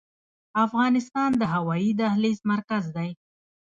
افغانستان د هوایي دهلیز مرکز دی؟